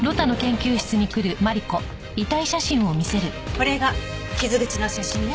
これが傷口の写真ね。